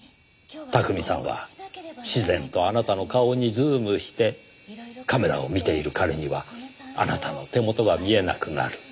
巧さんは自然とあなたの顔にズームしてカメラを見ている彼にはあなたの手元が見えなくなる。